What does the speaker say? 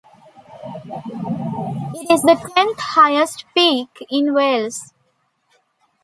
It is the tenth highest peak in Wales.